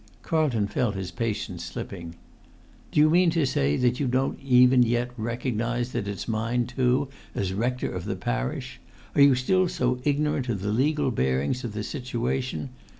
Carlton felt his patience slipping. "Do you mean to say that you don't even yet recognise that it's mine too, as rector of the parish? Are you still so ignorant of the legal bearings of the situation?